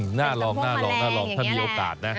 หน้ารองถ้ามีโอกาส